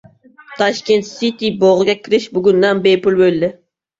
Tashkent City bog‘iga kirish bugundan bepul bo‘ldi